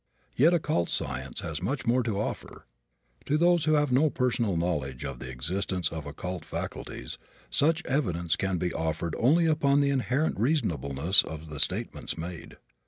Yet occult science has much more to offer. To those who have no personal knowledge of the existence of occult faculties, such evidence can be offered only upon the inherent reasonableness of the statements made.